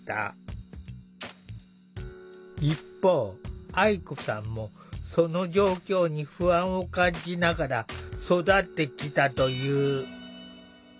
一方愛子さんもその状況に不安を感じながら育ってきたという。